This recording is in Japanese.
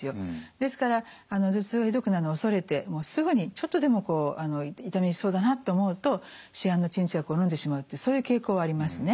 ですから頭痛がひどくなるのを恐れてもうすぐにちょっとでも痛みそうだなって思うと市販の鎮痛薬をのんでしまうというそういう傾向はありますね。